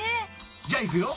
じゃあいくよ。